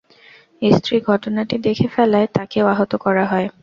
স্ত্রী ঘটনাটি দেখে ফেলায় তাঁকেও আহত করা হয়।